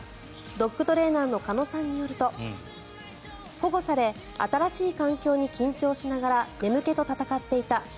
ドッグトレーナーの鹿野さんによると保護され新しい環境に緊張しながら眠気と闘っていた。